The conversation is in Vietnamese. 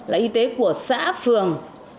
là y tế của xã phường